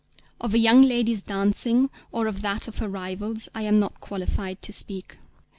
Of a young lady's dancing, or of that of her rivals, I am not qualified to speak.